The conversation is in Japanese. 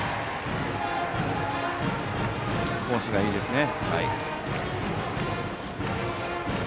コースがいいですね。